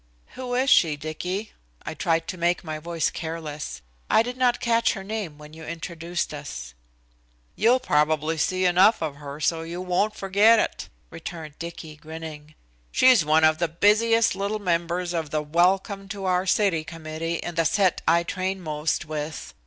"Who is she, Dicky?" I tried to make my voice careless. "I did not catch her name when you introduced us." "You'll probably see enough of her so you won't forget it," returned Dicky, grinning. "She's one of the busiest little members of the 'Welcome to Our City Committee' in the set I train most with.